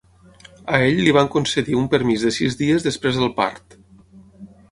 A ell li van concedir un permís de sis dies després del part.